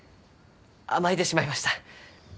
甘えてしまいました。